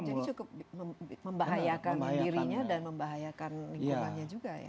jadi cukup membahayakan dirinya dan membahayakan lingkungannya juga ya